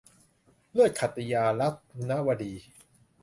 เลือดขัตติยา - ลักษณวดี